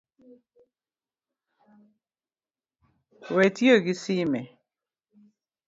We tiyo gi sime